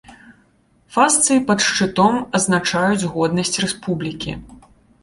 Фасцыі пад шчытом азначаюць годнасць рэспублікі.